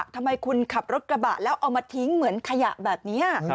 ทำไมคุณขับรถกระบะแล้วเอามาทิ้งเหมือนขยะแบบนี้